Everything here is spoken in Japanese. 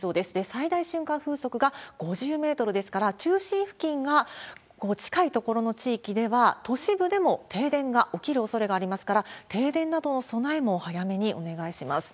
最大瞬間風速が５０メートルですから、中心付近が近い所の地域では、都市部でも停電が起きるおそれがありますから、停電などの備えも早めにお願いします。